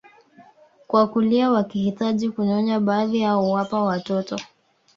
kwa kulia wakihitaji kunyonya baadhi yao huwapa watoto